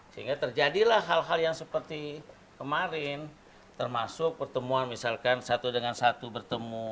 sehingga terjadilah hal hal yang seperti kemarin termasuk pertemuan misalkan satu dengan satu bertemu